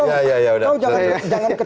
kau jangan ketakutan ver